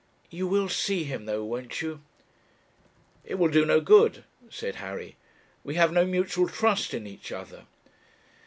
You will see him, though, won't you?' 'It will do no good,' said Harry; 'we have no mutual trust in each other.'